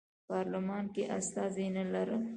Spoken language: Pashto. پارلمان کې استازي نه لرل.